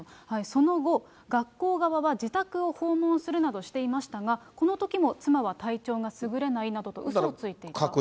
その後、学校側は自宅を訪問するなどしていましたが、このときも妻は体調が優れないなどとうそをついていた。